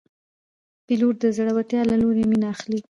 پیلوټ د زړورتیا له لورې مینه اخلي.